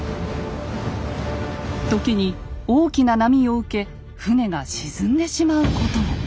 時に大きな波を受け船が沈んでしまうことも。